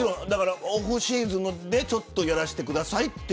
オフシーズンでちょっとやらせてください